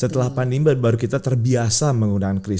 setelah pandemi baru kita terbiasa menggunakan krisis